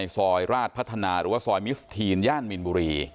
ซอยราชพัฒนาหรือว่าซอยมิสทีนย่านมินบุรี